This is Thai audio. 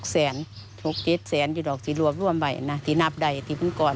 ๖แสน๖๑๐แสนจะรอบรวมไปที่นับได้ที่เมื่อก่อน